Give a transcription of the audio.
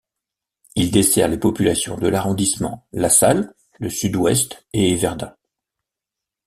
Il dessert les populations de l'arrondissement LaSalle, le Sud-Ouest et Verdun.